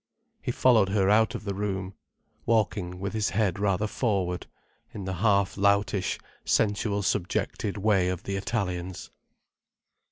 He followed her out of the room, walking with his head rather forward, in the half loutish, sensual subjected way of the Italians.